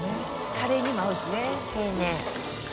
カレーにも合うしね。